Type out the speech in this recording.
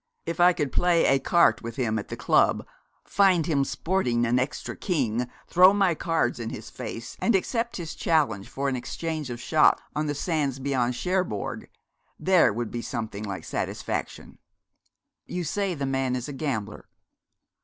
If I could play écarté with him at the club, find him sporting an extra king, throw my cards in his face, and accept his challenge for an exchange of shots on the sands beyond Cherbourg there would be something like satisfaction.' 'You say the man is a gambler?'